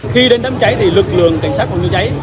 khi đến đám cháy thì lực lượng cảnh sát phòng cháy cháy